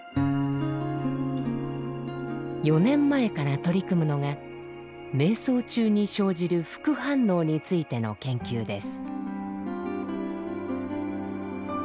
４年前から取り組むのが瞑想中に生じる副反応についての研究です。